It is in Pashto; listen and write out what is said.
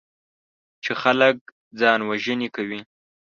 چې خلک ځانوژنې کوي.